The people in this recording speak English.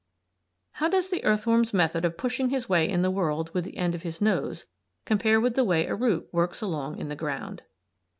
How does the earthworm's method of pushing his way in the world with the end of his nose compare with the way a root works along in the ground?